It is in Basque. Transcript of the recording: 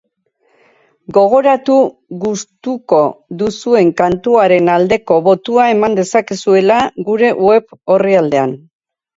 Gogoratu, gustuko duzuen kantuaren aldeko botua eman dezakezuela gure web orrialdean.